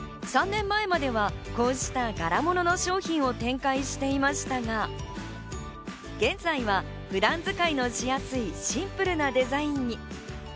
３年前までは、こうした柄物の商品を展開していましたが、現在は普段使いのしやすいシンプルなデザインに。